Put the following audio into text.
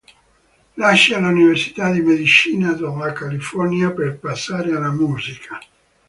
Lascia l'università di medicina della California per passare alla musica.